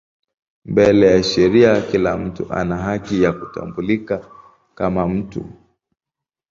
Mbele ya sheria kila mtu ana haki ya kutambulika kama mtu.